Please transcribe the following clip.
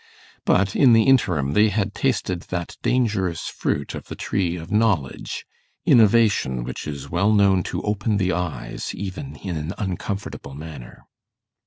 But in the interim they had tasted that dangerous fruit of the tree of knowledge innovation which is well known to open the eyes, even in an uncomfortable manner.